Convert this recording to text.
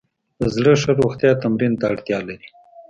د زړه ښه روغتیا تمرین ته اړتیا لري.